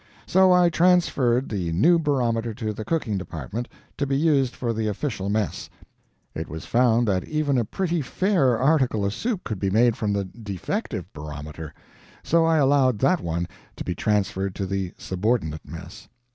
So I transferred the new barometer to the cooking department, to be used for the official mess. It was found that even a pretty fair article of soup could be made from the defective barometer; so I allowed that one to be transferred to the subordinate mess.